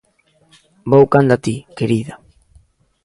Vou canda ti, querida.